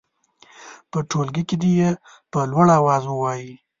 په ټولګي کې دې یې په لوړ اواز ووايي.